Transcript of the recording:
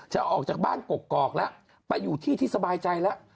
ออกจากบ้านกกอกแล้วไปอยู่ที่ที่สบายใจแล้ว